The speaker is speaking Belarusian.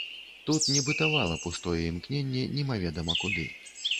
Тут не бытавала пустое імкненне немаведама куды.